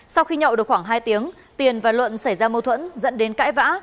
sau khi nhậu được khoảng hai tiếng tiền và luận xảy ra mâu thuẫn dẫn đến cãi vã